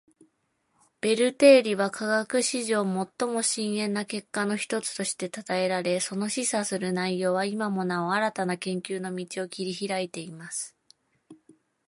ベル定理は科学史上最も深遠な結果の一つとして讃えられ，その示唆する内容は今もなお新たな研究の道を切り拓いています．